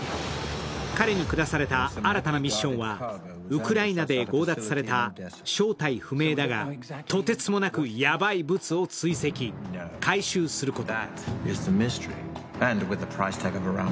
彼に下された新たなミッションはウクライナで強奪された正体不明だがとてつもやくヤバいブツを追跡、回収すること。